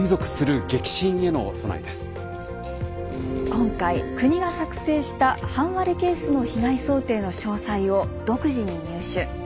今回国が作成した半割れケースの被害想定の詳細を独自に入手。